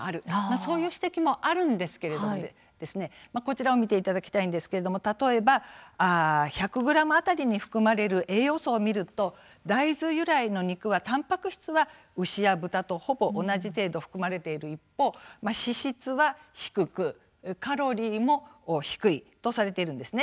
そういう指摘もあるんですけれどもこちらを見ていただきたいんですが、例えば１００ｇ当たりに含まれる栄養素を見ると大豆由来の肉はたんぱく質は牛や豚とほぼ同じ程度含まれている一方脂質は低くカロリーも低いとされているんです。